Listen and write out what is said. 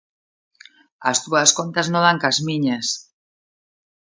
As túas contas non dan cas miñas